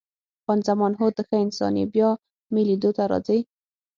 خان زمان: هو، ته ښه انسان یې، بیا مې لیدو ته راځې؟